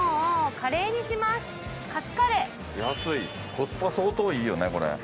コスパ相当いいよねこれ。